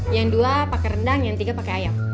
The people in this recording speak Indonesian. yang dua pakai rendang yang tiga pakai ayam